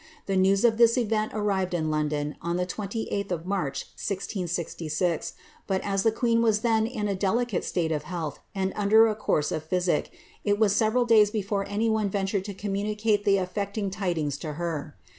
The news of this event arrived ill London on the 28th of March, 1666, but, as the queen was then in i delicate state of health, and under a course of physic, it was several days before any one ventured to communicate the affecting tidings to her.'